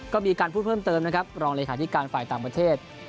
ก็มีการพูดเพิ่มเติมนะครับรองเลขาธิการฝ่ายต่างประเทศ